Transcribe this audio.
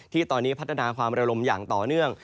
ที่ตอนนี้พัฒนาความระลมอย่างต่อเนื่อง